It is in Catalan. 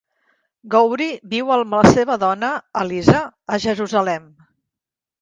Gouri viu amb la seva dona, Aliza, a Jerusalem.